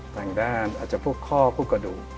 ทางด้านอาจจะพวกข้อพวกกระดูก